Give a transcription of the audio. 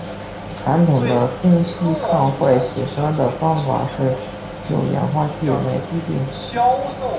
传统的分析抗坏血酸的方法是用氧化剂来滴定。